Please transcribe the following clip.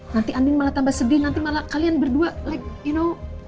nanti andi malah tambah sedih nanti malah kalian berdua like you know